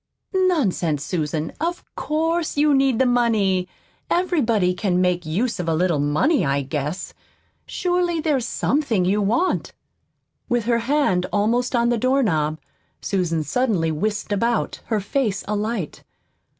"Nonsense, Susan, of COURSE you need the money. Everybody can make use of a little money, I guess. Surely, there's SOMETHING you want." With her hand almost on the doorknob Susan suddenly whisked about, her face alight.